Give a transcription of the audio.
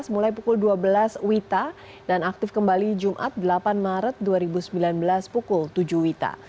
mulai pukul dua belas wita dan aktif kembali jumat delapan maret dua ribu sembilan belas pukul tujuh wita